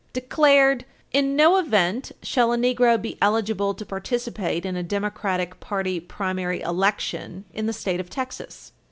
1925) declared "in no event shall a Negro be eligible to participate in a Democratic party primary election ... in the State of Texas."